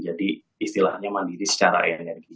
istilahnya mandiri secara energi